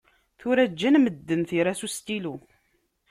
Tura ǧǧan medden tira s ustilu.